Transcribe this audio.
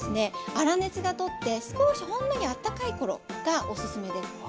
粗熱が取って少しほんのりあったかいころがおすすめです。